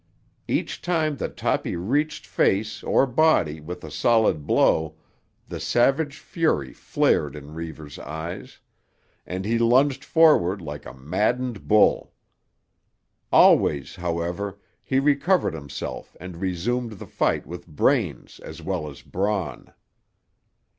Each time that Toppy reached face or body with a solid blow the savage fury flared in Reivers' eyes, and he lunged forward like a maddened bull. Always, however, he recovered himself and resumed the fight with brains as well as brawn.